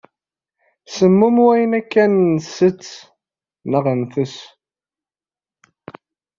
Semmum wayen akka ntess.